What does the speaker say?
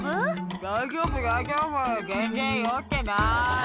「大丈夫大丈夫全然酔ってない」